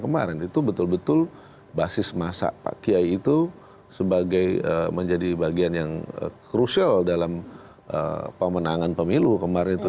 kemarin itu betul betul basis masa pak kiai itu sebagai menjadi bagian yang crucial dalam pemenangan pemilu kemarin itu